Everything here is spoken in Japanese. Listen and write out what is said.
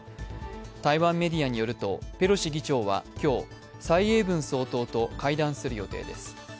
台湾メディアによるとペロシ議長は今日、蔡英文総統と会談する予定です。